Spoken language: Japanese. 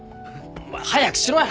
お前早くしろよ。